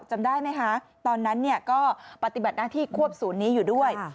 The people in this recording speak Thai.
จำได้ไหมคะตอนนั้นก็ปฏิบัติหน้าที่ควบศูนย์นี้อยู่ด้วย